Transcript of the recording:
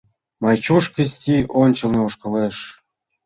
Мачуш Кысти ончылно ошкылеш.